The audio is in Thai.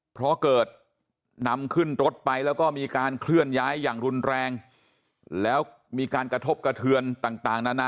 เพราะเกิดนำขึ้นรถไปแล้วก็มีการเคลื่อนย้ายอย่างรุนแรงแล้วมีการกระทบกระเทือนต่างนานา